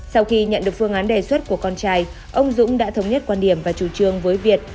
sau khi nhận được phương án đề xuất của con trai ông dũng đã thống nhất quan điểm và chủ trương với việt